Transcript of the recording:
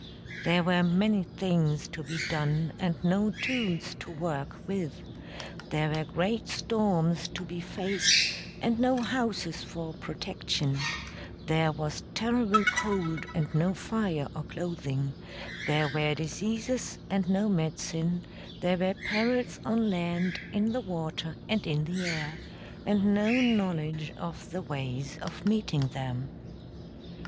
There were many things to be done and no tools to work with; there were great storms to be faced and no houses for protection; there was terrible cold and no fire or clothing; there were diseases and no medicine; there were perils on land, in the water and in the air, and no knowledge of the ways of meeting them.